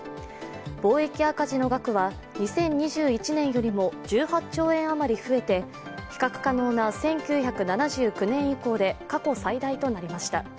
貿易赤字の額は２０２１年よりも１８兆円余り増えて比較可能な１９７９年以降で過去最大となりました。